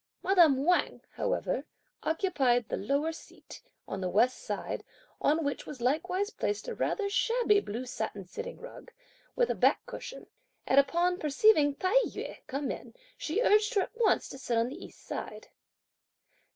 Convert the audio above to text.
Madame Wang, however, occupied the lower seat, on the west side, on which was likewise placed a rather shabby blue satin sitting rug, with a back cushion; and upon perceiving Tai yü come in she urged her at once to sit on the east side.